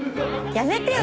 やめてよ